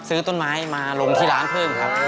ซื้อต้นไม้มาลงที่ร้านเพิ่มครับ